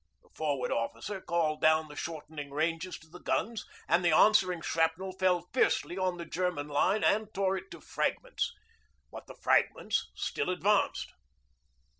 The Forward Officer called down the shortening ranges to the guns, and the answering shrapnel fell fiercely on the German line and tore it to fragments but the fragments still advanced.